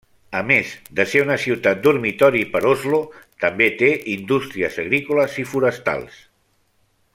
A més de ser una ciutat dormitori per Oslo, també té indústries agrícoles i forestals.